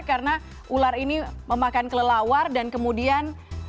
karena ular ini memakan kelelawar dan kemudian